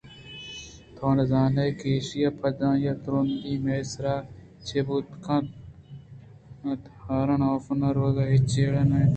تو نہ زانئے کہ ایشی ءَ پد آئی ءِ ترٛندی مئے سرا چے بوت کن اَنت ہارن ہاف ءَ نہ روگ ءَ ہچ جیڑہے نہ اَت